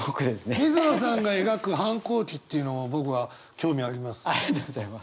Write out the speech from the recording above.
水野さんが描く反抗期っていうのは僕は興味あります。